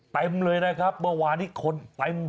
เต็มเลยนะครับเมื่อวานนี้คนเต็ม